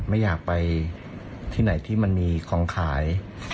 ไม่อยากไปที่ไหนที่มันมีของขาย